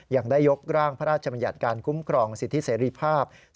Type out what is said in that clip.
ยังได้ยกร่างพระราชบัญญัติการคุ้มครองสิทธิเสรีภาพ